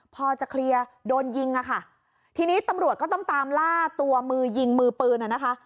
พอจะเคลียร์โดนยิงอ่ะค่ะทีนี้ตำรวจก็ต้องตามล่าตัวมือยิงมือปืนอ่ะนะคะ